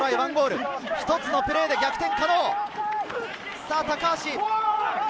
１つのプレーで逆転可能。